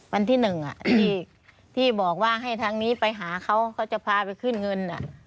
วันที่๑ที่บอกว่าให้ทางนี้ไปหาเขาเขาจะพาไปขึ้นเงิน